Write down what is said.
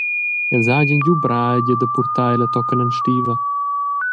Els hagien giu breigia da purtar ella tochen en stiva.